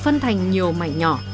phần thành nhiều mảnh nhỏ